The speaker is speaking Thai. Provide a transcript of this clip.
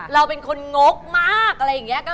เราเป็นคนงกมาก